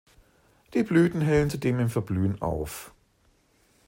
Die Blüten hellen zudem im Verblühen auf.